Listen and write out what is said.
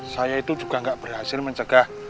saya itu juga nggak berhasil mencegah